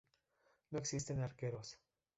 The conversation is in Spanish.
No existen arqueros.